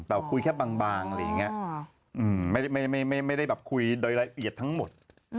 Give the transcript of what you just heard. แต่คุยแค่บางไม่ได้คุยโดยรายละเอียดทั้งหมด